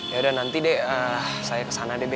yaudah nanti de saya ke sana be